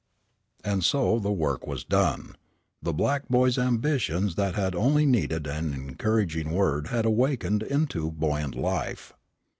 And so the work was done. The black boy's ambitions that had only needed an encouraging word had awakened into buoyant life.